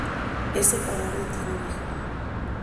Es separado y tiene un hijo.